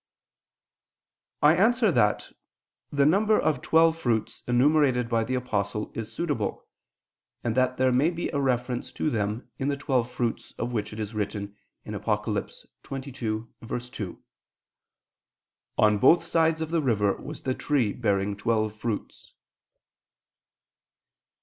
I answer that, The number of the twelve fruits enumerated by the Apostle is suitable, and that there may be a reference to them in the twelve fruits of which it is written (Apoc. 22:2): "On both sides of the river was the tree bearing twelve fruits."